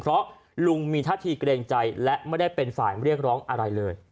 เพราะลุงมีท่าทีเกรงใจและไม่ได้เป็นฝ่ายเรียกร้องอะไรเลย